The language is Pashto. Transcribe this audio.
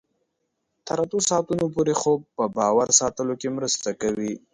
تر اتو ساعتونو پورې خوب په باور ساتلو کې مرسته کوي.